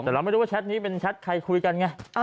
แต่เราไม่รู้ว่าแชทนี้เป็นแชทใครคุยกันไง